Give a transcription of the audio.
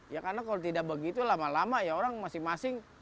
ya karena kalau tidak begitu lama lama ya orang masing masing